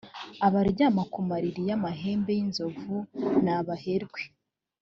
abaryama ku mariri y’ amahembe y ‘inzovu nabaherwe.